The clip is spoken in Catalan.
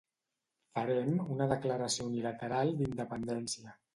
Farem una declaració unilateral d'independència